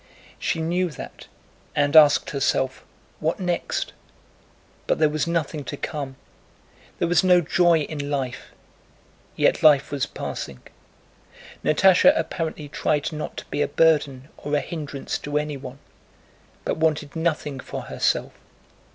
She knew that, and asked herself, "What next?" But there was nothing to come. There was no joy in life, yet life was passing. Natásha apparently tried not to be a burden or a hindrance to anyone, but wanted nothing for herself.